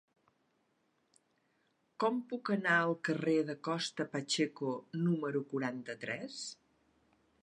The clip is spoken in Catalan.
Com puc anar al carrer de Costa Pacheco número quaranta-tres?